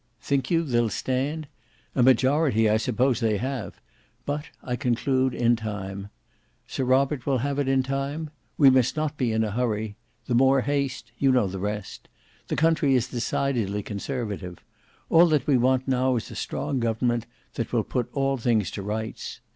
"Think you they'll stand? A majority. I suppose, they have; but, I conclude, in time; Sir Robert will have it in time? We must not be in a hurry; 'the more haste'—you know the rest. The country is decidedly conservative. All that we want now is a strong government, that will put all things to rights.